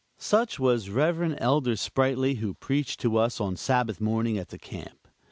Such was Rev. Elder Sprightly, who preached to us on Sabbath morning at the Camp.